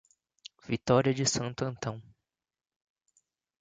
Vitória de Santo Antão